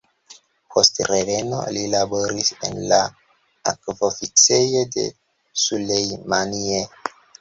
Post reveno, li laboris en la akv-oficejo de Sulejmanie.